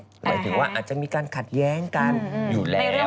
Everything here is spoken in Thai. หมายถึงว่าอาจจะมีการขัดแย้งกันอยู่แล้ว